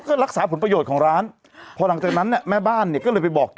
พอหลังจากนั้นแม่บ้านก็เลยไปบอกก